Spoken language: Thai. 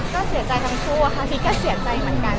ก็เสียใจทั้งคู่ค่ะพีชก็เสียใจเหมือนกัน